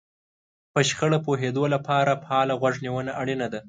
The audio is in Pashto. په شخړه پوهېدو لپاره فعاله غوږ نيونه اړينه ده.